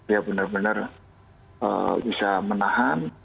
ya benar benar bisa menahan